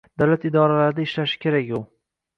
Davlat idoralarida ishlashi kerak u.